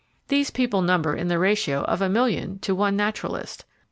These people number in the ratio of a million to one Naturalist.